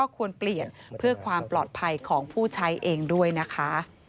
ควรเปลี่ยนเพื่อความปลอดภัยของผู้ใช้เองด้วยนะคะ